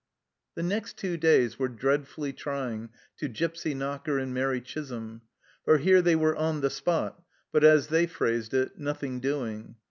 The next two days were dreadfully trying to Gipsy Knocker and Mairi Chisholm, for here they were " on the spot," but, as they phrased it, "nothing doing."